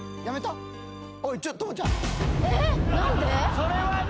それはな。